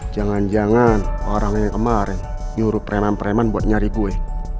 jangan jangan orang yang kemarin nyuruh preman preman buat nyari gue